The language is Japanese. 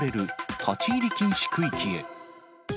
立ち入り禁止区域へ。